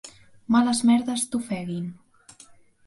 Males merdes t'ofeguin.